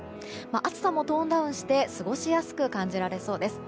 暑さもトーンダウンして過ごしやすく感じられそうです。